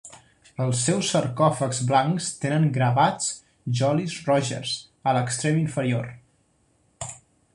Els seus sarcòfags blancs tenen gravats "jolly rogers" a l'extrem inferior.